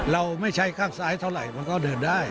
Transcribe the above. เราไม่ใช้ข้างซ้ายเท่าไหร่มันก็เดินได้